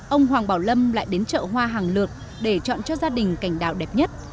ông hoàng bảo lâm lại đến chợ hoa hàng lược để chọn cho gia đình cảnh đạo đẹp nhất